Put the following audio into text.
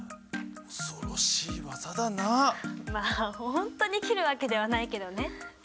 まあ本当に斬るわけではないけどね。